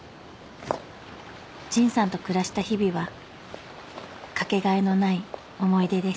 「陳さんと暮らした日々はかけがえのない思い出です」